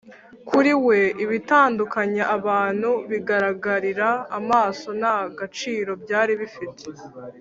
kuri we, ibitandukanya abantu bigaragarira amaso nta gaciro byari bifite